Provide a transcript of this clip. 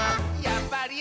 やっぱり！」